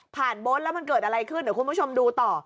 โบ๊ทแล้วมันเกิดอะไรขึ้นเดี๋ยวคุณผู้ชมดูต่อ